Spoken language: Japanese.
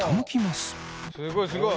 すごいすごい。